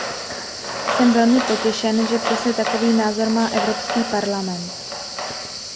Jsem velmi potěšen, že přesně takový názor má Evropský parlament.